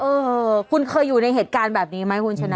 เออคุณเคยอยู่ในเหตุการณ์แบบนี้ไหมคุณชนะ